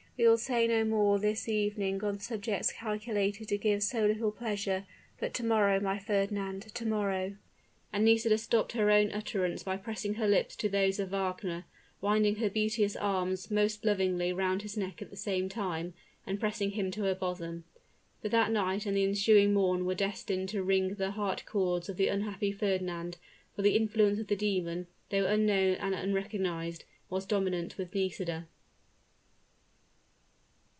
We will say no more this evening on subjects calculated to give so little pleasure; but to morrow, my Fernand, to morrow." And Nisida stopped her own utterance by pressing her lips to those of Wagner, winding her beauteous arms most lovingly round his neck at the same time, and pressing him to her bosom. But that night and the ensuing morn were destined to wring the heart cords of the unhappy Fernand: for the influence of the demon, though unknown and unrecognized, was dominant with Nisida.